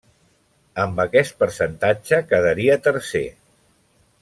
Amb aquest percentatge quedaria tercer.